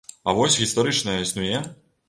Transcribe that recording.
А вось гістарычная існуе?